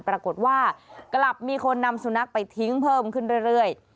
ปรากฏว่ากลับมีคนนำสุนัขไปทิ้งเพิ่มขึ้นเรื่อย